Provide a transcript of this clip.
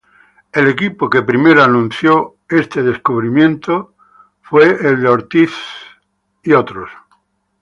El equipo que primero anunció este descubrimiento, Ortiz "et al.